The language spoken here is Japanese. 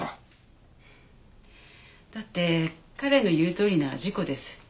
だって彼の言うとおりなら事故です。